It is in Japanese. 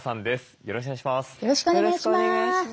よろしくお願いします。